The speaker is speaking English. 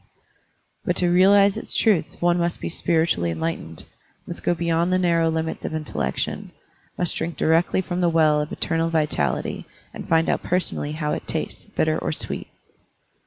But to realize its truth one must be spir itually enlightened, must go beyond the narrow limits of intellection, must drink directly from the well of eternal vitality and find out per sonally how it tastes, bitter or sweet.